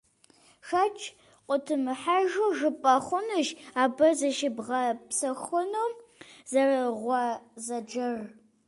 Шэч къытумыхьэжу жыпӀэ хъунущ абы зыщыбгъэпсэхуну зэрыгъуэзэджэр.